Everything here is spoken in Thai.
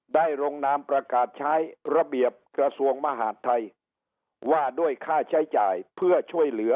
ได้ร่วงนามประกาศใช้ระเบียบกระทรวงมาห่ายไทย